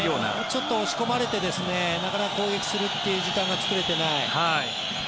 ちょっと押し込まれてなかなか攻撃するという時間が作れてない。